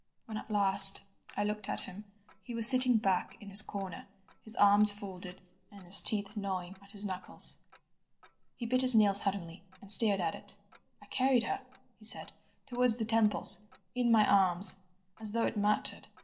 When at last I looked at him he was sitting back in his corner, his arms folded, and his teeth gnawing at his knuckles. He bit his nail suddenly, and stared at it. "I carried her," he said, "towards the temples, in my arms—as though it mattered.